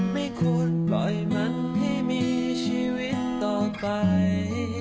ไม่ควรปล่อยมันให้มีชีวิตต่อไป